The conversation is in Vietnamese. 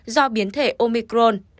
do biến thể omicron